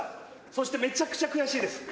そしてめっちゃくちゃ悔しいです